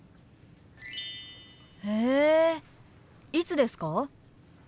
へえいつですか？